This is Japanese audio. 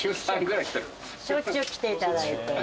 しょっちゅう来て頂いて。